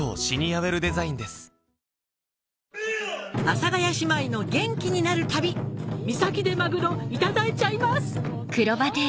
阿佐ヶ谷姉妹の元気になる旅三崎でマグロいただいちゃいます！